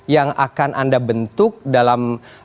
yang akan anda bentuk dalam